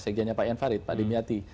sekjennya pak ian farid pak dimyati